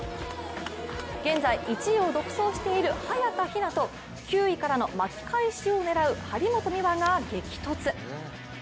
現在１位を独走している早田ひなと、９位からの巻き返しを狙う張本美和が激突。